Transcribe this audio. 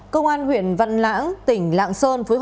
công an huyện văn lãng tỉnh lạng sơn